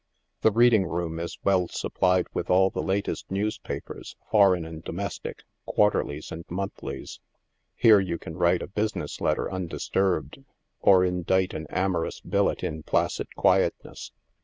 The reading room is well supplied with all the latest newspapers, foreign and domestic, quarterlies and monthlies. Here you can write a business letter undisturbed, or indite an amorous billet in placid quietness.